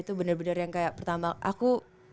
itu bener bener yang kayak pertama aku